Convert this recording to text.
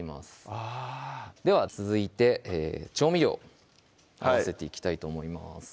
あぁでは続いて調味料合わせていきたいと思います